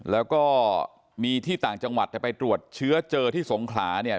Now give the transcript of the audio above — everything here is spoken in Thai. แล้วก็มีที่ต่างจังหวัดแต่ไปตรวจเชื้อเจอที่สงขลาเนี่ย